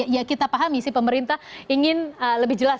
ya kita paham isi pemerintah ingin lebih jelas